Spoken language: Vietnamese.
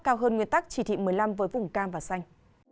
cao hơn nguyên tắc chỉ thị một mươi năm với vùng cam và xanh